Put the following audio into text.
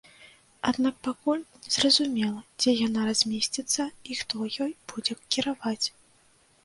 Аднак пакуль не зразумела, дзе яна размясціцца і хто ёй будзе кіраваць.